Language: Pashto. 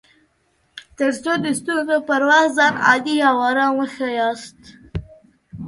تر څو د ستونزو پر وخت ځان عادي او ارام وښياست